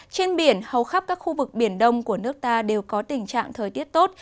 trên biển hầu khắp các khu vực biển đông của nước ta đều có tình trạng thời tiết tốt